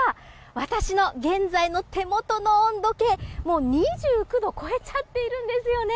私の現在の手元の温度計はもう２９度を超えちゃっているんですよね。